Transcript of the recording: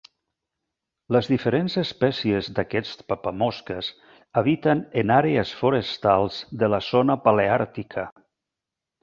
Les diferents espècies d'aquests papamosques habiten en àrees forestals de la zona paleàrtica.